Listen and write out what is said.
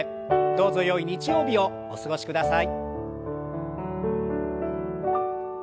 どうぞよい日曜日をお過ごしください。